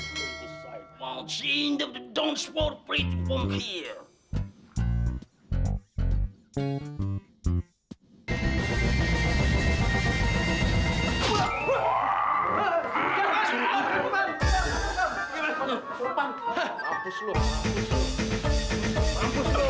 kamu sudah melakukan tindakan asusila